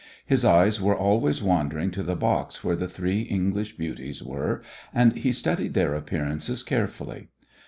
His eyes were always wandering to the box where the three English beauties were, and he studied their appearances carefully.